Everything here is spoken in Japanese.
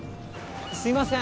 すいません。